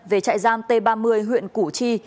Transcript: về trại giam t ba mươi huyện củ chi